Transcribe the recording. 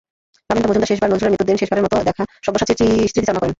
রামেন্দু মজুমদার শেষবার নজরুলের মৃত্যুর দিন শেষবারের মতো দেখা সব্যসাচীর স্মৃতিচারণা করেন।